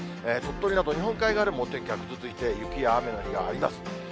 鳥取など日本海側でもお天気はぐずついて、雪や雨の日があります。